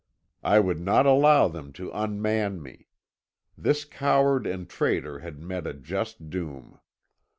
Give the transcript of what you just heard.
I would not allow them to unman me. This coward and traitor had met a just doom.